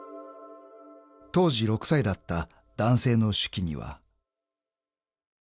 ［当時６歳だった男性の手記には］